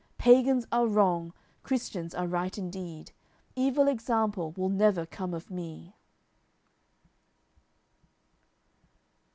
Pagans are wrong: Christians are right indeed. Evil example will never come of me."